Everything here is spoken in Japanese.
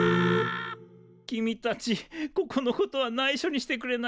君たちここのことはないしょにしてくれないか？